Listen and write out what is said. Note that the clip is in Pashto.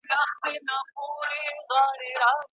پوه سړي خپل قلم د حق له پاره کارولی دی.